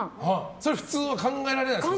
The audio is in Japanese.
それ普通は考えられないんですか？